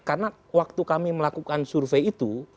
karena waktu kami melakukan survei itu